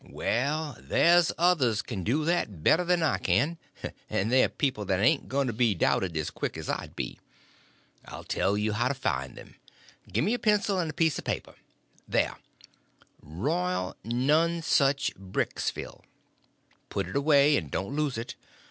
Well, there's others can do that better than what I can, and they're people that ain't going to be doubted as quick as I'd be. I'll tell you how to find them. Gimme a pencil and a piece of paper. There—'Royal Nonesuch, Bricksville.' Put it away, and don't lose it.